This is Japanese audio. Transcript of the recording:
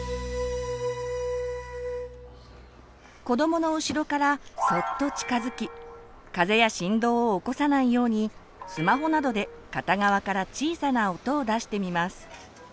子どもの後ろからそっと近づき風や振動を起こさないようにスマホなどで片側から小さな音を出してみます。